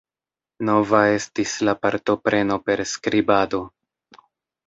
Nova estis la partopreno per skribado.